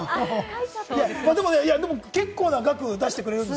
でも結構な額、出してくれるんです。